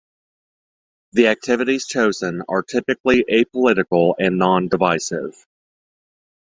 The activities chosen are typically apolitical and non-divisive.